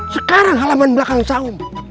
sekarang halaman belakang sahum